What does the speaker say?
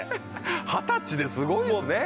二十歳ですごいですね。